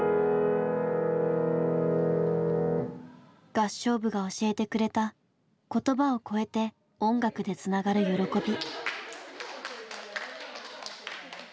合唱部が教えてくれた言葉を超えて音楽でつながる喜び。